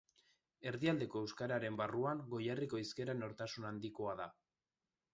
Erdialdeko euskararen barruan, Goierriko hizkera nortasun handikoa da.